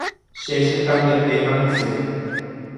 Che chetavyetéma hese.